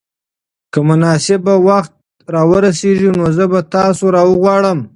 که مناسب وخت را ورسېږي نو زه به تاسو راوغواړم.